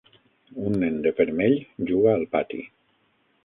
Un nen de vermell juga al pati.